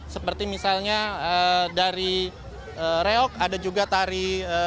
seperti misalnya dari reok ada juga tari